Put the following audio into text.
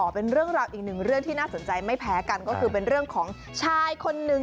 เป็นเรื่องราวอีกหนึ่งเรื่องที่น่าสนใจไม่แพ้กันก็คือเป็นเรื่องของชายคนนึง